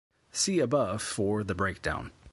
See above for the breakdown.